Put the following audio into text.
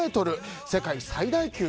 世界最大級。